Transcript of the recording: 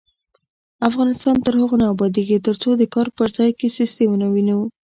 افغانستان تر هغو نه ابادیږي، ترڅو د کار په ځای کې سستي ونه وینو.